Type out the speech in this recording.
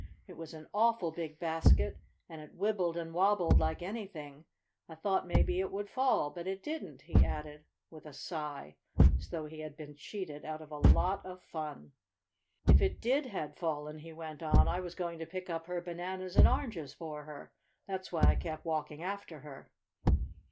"It was an awful big basket, and it wibbled and wobbled like anything. I thought maybe it would fall, but it didn't," he added with a sigh, as though he had been cheated out of a lot of fun. "If it did had fallen," he went on, "I was going to pick up her bananas and oranges for her. That's why I kept walking after her."